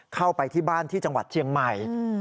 เข้าไปที่บ้านที่จังหวัดเชียงใหม่